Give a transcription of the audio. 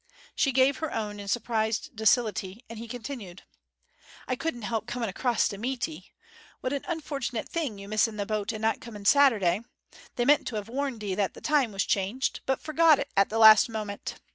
She gave her own in surprised docility, and he continued: 'I couldn't help coming across to meet 'ee. What an unfortunate thing you missing the boat and not coming Saturday! They meant to have warned 'ee that the time was changed, but forgot it at the last moment.